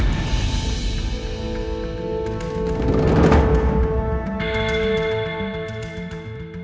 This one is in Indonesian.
tidak ada remnya